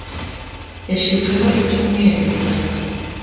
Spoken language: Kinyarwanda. yashizweho ibyumweru bitatu.